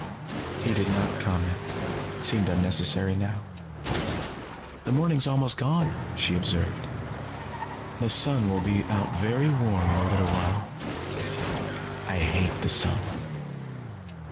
He did not comment. It seemed unnecessary now. "The morning's almost gone," she observed. "The sun will be out very warm in a little while. I hate the sun."